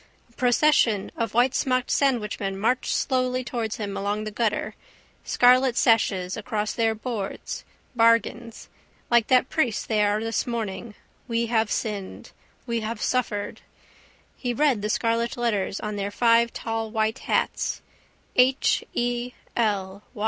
A procession of whitesmocked sandwichmen marched slowly towards him along the gutter, scarlet sashes across their boards. Bargains. Like that priest they are this morning: we have sinned: we have suffered. He read the scarlet letters on their five tall white hats: H. E. L.